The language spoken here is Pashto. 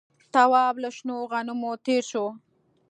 تواب له شنو غنمو تېر شو.